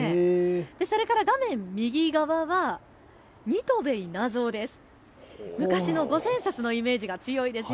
それから画面右側は新渡戸稲造です。